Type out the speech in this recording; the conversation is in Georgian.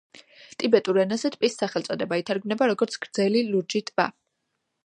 ტიბეტურ ენაზე ტბის სახელწოდება ითარგმნება როგორც „გრძელი ლურჯი ტბა“.